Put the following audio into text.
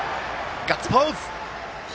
ガッツポーズ。